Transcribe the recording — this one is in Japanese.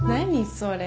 それ。